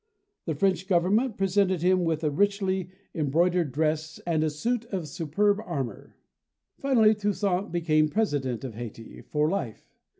The French Govern ment presented him with a richly embroidered dress and a suit of superb armor. Finally Toussaint became president of Hayti for life.